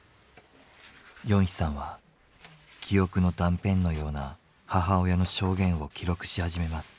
ヨンヒさんは記憶の断片のような母親の証言を記録し始めます。